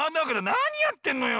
なにやってんのよ？